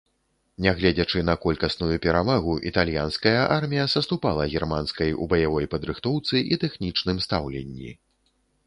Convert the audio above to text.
Нягледзячы на колькасную перавагу, італьянская армія саступала германскай у баявой падрыхтоўцы і тэхнічным стаўленні.